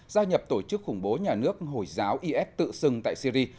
gia nhập tổ chức khủng bố nhà nước hồi giáo is tự xưng tại syri